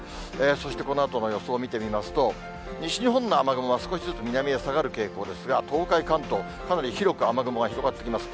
そしてこのあとの予想見てみますと、西日本の雨雲は少しずつ南へ下がる傾向ですが、東海、関東、かなり広く雨雲が広がってきます。